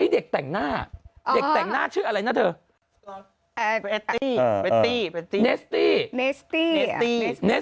เด็กแต่งหน้าชื่ออะไรนะเธอ